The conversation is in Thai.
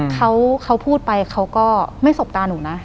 เขาพูดไปเขาก็ไม่สบตาหนูนะ